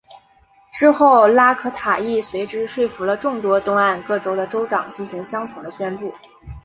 之后拉可塔亦随之说服了众多东岸各州的州长进行相同的宣布。